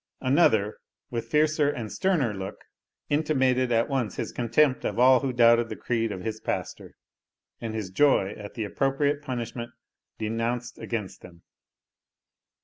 Another, with fiercer and sterner look, intimated at once his contempt of all who doubted the creed of his pastor, and his joy at the appropriate punishment denounced against them.